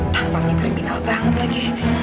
tampaknya kriminal banget lagi